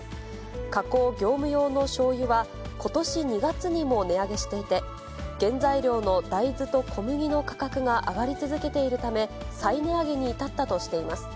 加工・業務用のしょうゆは、ことし２月にも値上げしていて、原材料の大豆と小麦の価格が上がり続けているため、再値上げに至ったとしています。